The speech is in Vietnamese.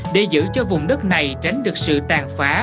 để giữ cho vùng đất này tránh được sự tàn phá